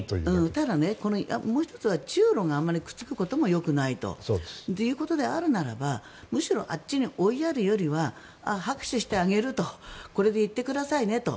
ただ、もう１つは中ロがあまりくっつくこともよくないということであればむしろあっちに追いやるよりは拍手してあげるとこれで行ってくださいねと。